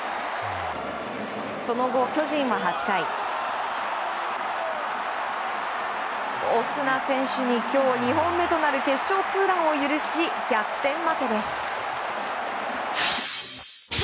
その後、巨人は８回オスナ選手に今日２本目となる決勝ツーランを許し逆転負けです。